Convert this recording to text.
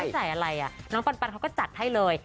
ใส่อะไรน้องปันเขาก็จัดให้เลย